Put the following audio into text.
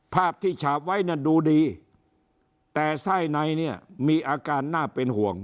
ภาพที่ฉาบไว้เนี่ยดูดีแต่ไส้ในเนี่ยมีอาการน่าเป็นห่วง